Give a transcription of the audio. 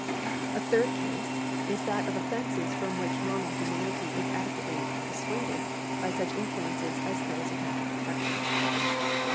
A third case is that of ofi'enees from which normal humanity is adequately dis suaded by such influences as those of natural affection.